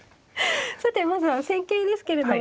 さてまずは戦型ですけれども。